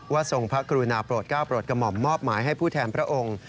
ทรงพระกรุณาโปรดก้าวโปรดกระหม่อมมอบหมายให้ผู้แทนพระองค์